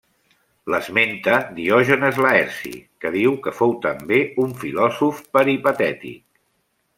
L'esmenta Diògenes Laerci que diu que fou també un filòsof peripatètic.